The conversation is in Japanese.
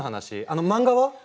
あの漫画は？